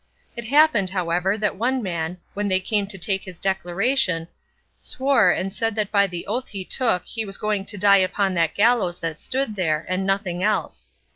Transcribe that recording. It happened, however, that one man, when they came to take his declaration, swore and said that by the oath he took he was going to die upon that gallows that stood there, and nothing else.